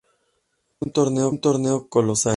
Realizó un torneo colosal.